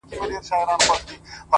گرانه شاعره لږ څه يخ دى كنه؛